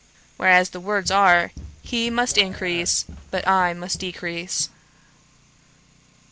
Whereas the words are, 'He must increase, but I must decrease.'